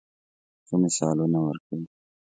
ښه مثالونه ورکوي.